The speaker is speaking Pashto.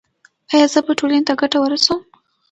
ایا زه به ټولنې ته ګټه ورسوم؟